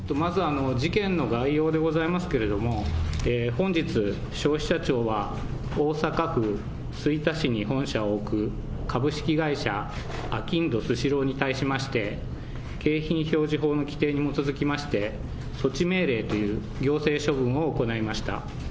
まず事件の概要でございますけれども、本日、消費者庁は大阪府吹田市に本社を置く株式会社あきんどスシローに対しまして、景品表示法の規定に基づきまして、措置命令という行政処分を行いました。